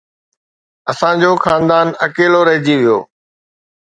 اسان جو خاندان اڪيلو رهجي ويو